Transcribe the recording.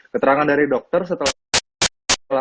keterangan dari dokter setelah